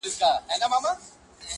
په كوڅو كي يې ژوندۍ جنازې ګرځي!